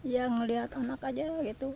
ya ngeliat anak aja gitu